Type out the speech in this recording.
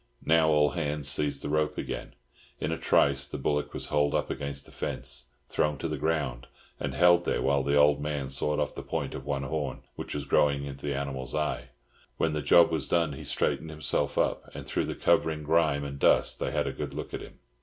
Now all hands seized the rope again; in a trice the bullock was hauled up against the fence, thrown to the ground, and held there while the old man sawed off the point of one horn, which was growing into the animal's eye. When the job was done he straightened himself up, and through the covering grime and dust they had a good look at him.